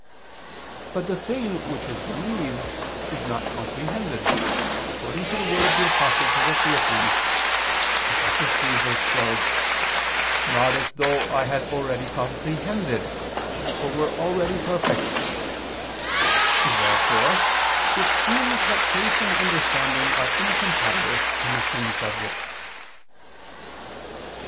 But the thing which is believed is not comprehended, according to the word of the Apostle to the Philippians 3:12: "Not as though I had already comprehended [Douay: 'attained'], or were already perfect." Therefore it seems that faith and understanding are incompatible in the same subject.